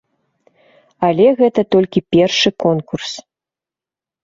Але гэта толькі першы конкурс.